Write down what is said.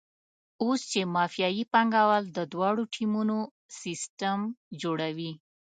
اوس چې مافیایي پانګوال د دواړو ټیمونو سیستم جوړوي.